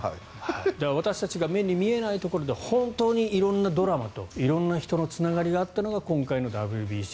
私たちの目に見えないところで本当に色んなドラマと色んな人のつながりがあったのが今回のＷＢＣ。